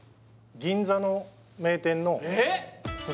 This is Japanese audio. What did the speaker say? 銀座の名店のええ！？